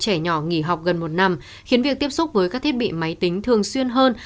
trẻ nhỏ nghỉ học gần một năm khiến việc tiếp xúc với các thiết bị máy tính thường xuyên hơn